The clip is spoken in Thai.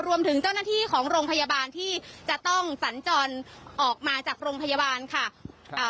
รวมถึงเจ้าหน้าที่ของโรงพยาบาลที่จะต้องสัญจรออกมาจากโรงพยาบาลค่ะอ่า